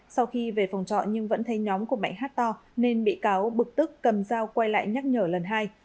sau khi về phòng trọ nhưng vẫn thấy nhóm của mạnh hát to nên bị cáo bực tức cầm dao quay lại nhắc nhở lần hai